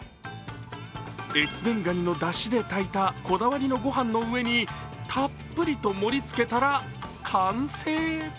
越前ガニのだしで炊いたこだわりのご飯のうえにたっぷりと盛りつけたら完成。